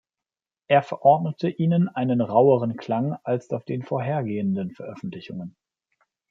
Er verordnete ihnen einen raueren Klang als auf den vorhergehenden Veröffentlichungen.